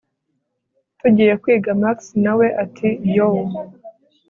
tugiye kwiga max nawe ati yooh